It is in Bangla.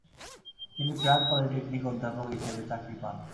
তিনি প্রাগ পলিটেকনিকে অধ্যাপক হিসেবে চাকরি পান।